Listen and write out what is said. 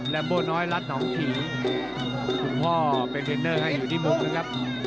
โบ้น้อยรัฐหนองขิงคุณพ่อเป็นเทรนเนอร์ให้อยู่ที่มุมนะครับ